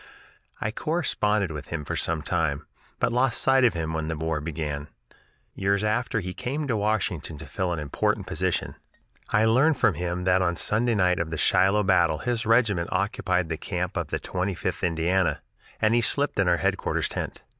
I corresponded with him for some time, but lost sight of him when the war began. Years after he came to Washington to fill an important official position. I learned from him then that on Sunday night of the Shiloh battle his regiment occupied the camp of the Twenty fifth Indiana, and he slept in our headquarters tent.